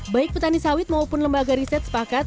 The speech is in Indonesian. baik petani sawit maupun lembaga riset sepakat